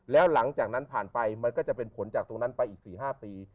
แล้วหลังจากนั้นผ่านไปมันก็จะเป็นผลจากตรงนั้นไปอีก๔๕ปี